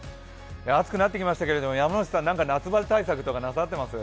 暑くなってきましたけど、山内さん、夏バテ対策とかなさってます？